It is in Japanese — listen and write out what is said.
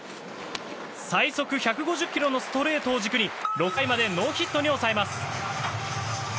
最速１５０キロのストレートを軸に６回までノーヒットに抑えます。